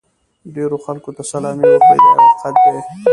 ډېرو خلکو ته سلامي وکړئ دا یو حقیقت دی.